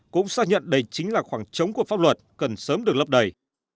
cũng xác nhận đây chính là khoảng trống của pháp luật cần sớm được lấp đầy